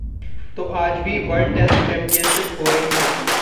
...तो आज भी वर्ल्ड टेस्ट चैंपियनशिप हो रही होती